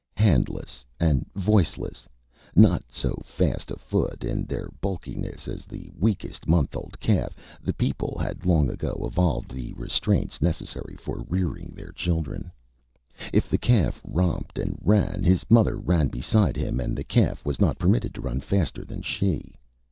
Handless and voiceless, not so fast afoot in their bulkiness as the weakest month old calf, the people had long ago evolved the restraints necessary for rearing their children. If the calf romped and ran, his mother ran beside him, and the calf was not permitted to run faster than she.